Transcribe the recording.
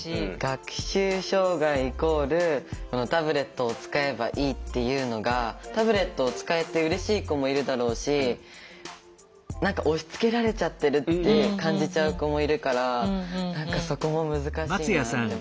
学習障害イコールタブレットを使えばいいっていうのがタブレットを使えてうれしい子もいるだろうし何か押しつけられちゃってるって感じちゃう子もいるから何かそこも難しいなって思う。